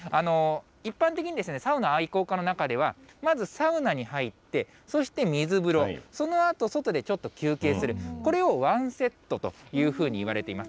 一般的にサウナ愛好家の中では、まずサウナに入って、そして水風呂、そのあと外でちょっと休憩する、これをワンセットというふうにいわれています。